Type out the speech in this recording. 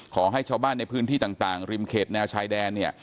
ขอให้ชาวบ้านในพื้นที่ต่างริมเขตแนวชายแดนเนี่ย